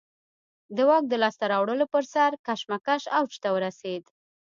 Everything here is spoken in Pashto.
د واک د لاسته راوړلو پر سر کشمکش اوج ته ورسېد.